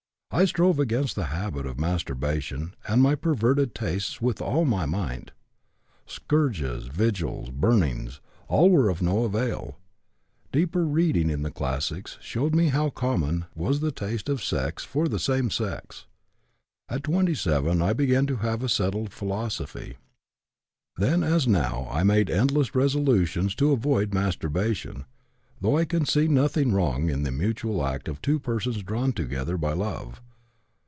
I strove against the habit of masturbation and my perverted tastes with all my might. Scourges, vigils, burnings, all were of no avail. Deeper reading in the Classics showed me how common was the taste of sex for the same sex. At 27 I began to have a settled philosophy. Then as now, I made endless resolutions to avoid masturbation, though I can see nothing wrong in the mutual act of two persons drawn together by love.